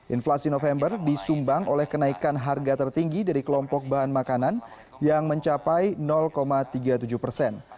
inflasi november disumbang oleh kenaikan harga tertinggi dari kelompok bahan makanan yang mencapai tiga puluh tujuh persen